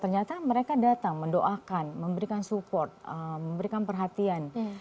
ternyata mereka datang mendoakan memberikan support memberikan perhatian